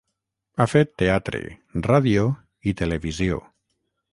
Ha fet teatre, ràdio i televisió.